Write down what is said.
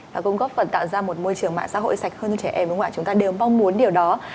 và cũng góp phần tạo ra một môi trường mạng xã hội sạch hơn cho trẻ em và ngoại chúng ta đều mong muốn điều đó